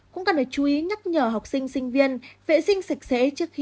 cũng cần phải chú ý nhắc nhở học sinh sinh viên vệ sinh sạch sẽ trước khi ăn để tránh bị nhiễm khuẩn